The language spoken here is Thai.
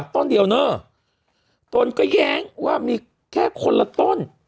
ต้นเดียวเนอร์ตนก็แย้งว่ามีแค่คนละต้น